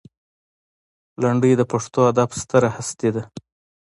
لنډۍ د پښتو ادب ستره هستي ده.